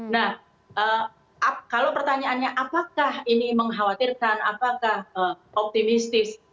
nah kalau pertanyaannya apakah ini mengkhawatirkan apakah optimistis